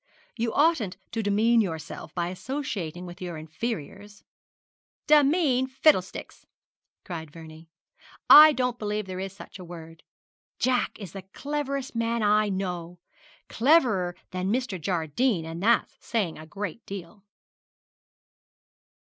'You oughtn't to bemean yourself by associating with your inferiors.' 'Bemean fiddlesticks!' cried Vernie; 'I don't believe there is such a word. Jack is the cleverest man I know cleverer than Mr. Jardine, and that's saying a great deal.'